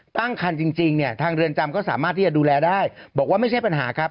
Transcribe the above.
ตั้งคันจริงเนี่ยทางเรือนจำก็สามารถที่จะดูแลได้บอกว่าไม่ใช่ปัญหาครับ